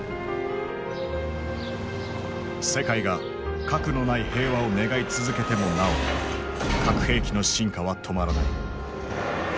世界が核のない平和を願い続けてもなお核兵器の進化は止まらない。